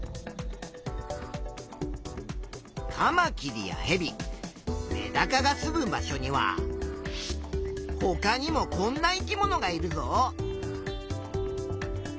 カマキリやヘビメダカがすむ場所にはほかにもこんな生き物がいるぞ。